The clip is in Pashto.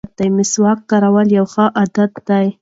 مسواک کارول یو ښه عادت دی.